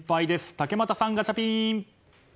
竹俣さん、ガチャピン！